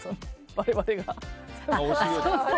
我々が。